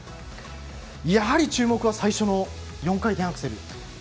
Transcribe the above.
やはり注目は最初の４回転アクセル。